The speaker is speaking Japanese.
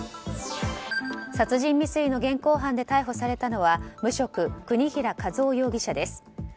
殺人未遂の現行犯で逮捕されたのは無職、国平和夫容疑者です。